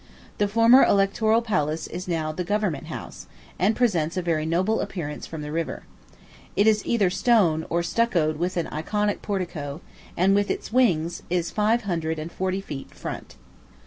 The former Electoral Palace is now the Government House, and presents a very noble appearance from the river. It is either stone, or stuccoed, with an Ionic portico; and, with its wings, is five hundred and forty feet front.